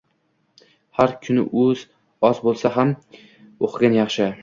har kuni oz bo‘lsa ham o‘qigan yaxshi.